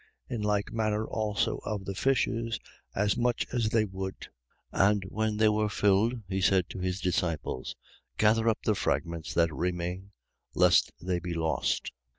In like manner also of the fishes, as much as they would. 6:12. And when they were filled, he said to his disciples: gather up the fragments that remain, lest they be lost.